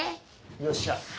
よっしゃ。